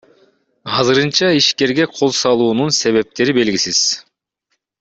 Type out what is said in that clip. Азырынча ишкерге кол салуунун себептери белгисиз.